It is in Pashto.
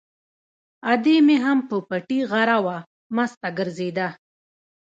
ادې مې هم په پټي غره وه، مسته ګرځېده.